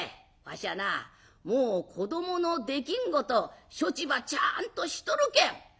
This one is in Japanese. わしはなもう子どものできんこと処置ばちゃんとしとるけん」。